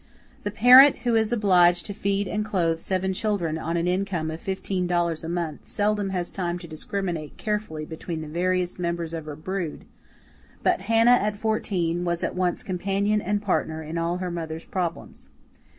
The parent who is obliged to feed and clothe seven children on an income of fifteen dollars a month seldom has time to discriminate carefully between the various members of her brood, but Hannah at fourteen was at once companion and partner in all her mother's problems.